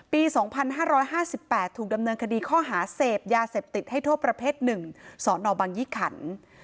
ปี๒๕๕๘ถูกดำเนินคดีข้อหาเสพยาเสพติดให้โทษประเภท๑สนบังยี่ขัน